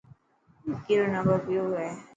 وڪي رو نمبر پيو هي.